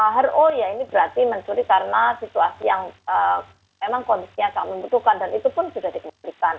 har oh ya ini berarti mencuri karena situasi yang memang kondisinya sangat membutuhkan dan itu pun sudah diputuskan